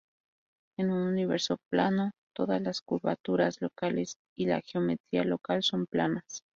En un universo plano, todas las curvaturas locales y la geometría local son planas.